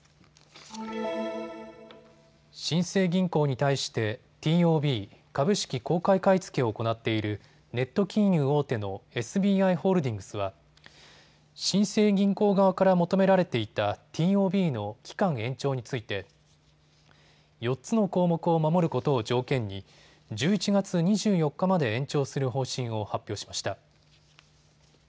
新生銀行に対してＴＯＢ・株式公開買い付けを行っているネット金融大手のＳＢＩホールディングスは新生銀行側から求められていたＴＯＢの期間延長について４つの項目を守ることを条件に１１月２４日まで延長する方針を発表しました。